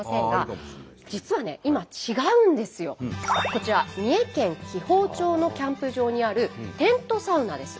こちら三重県紀宝町のキャンプ場にあるテントサウナです。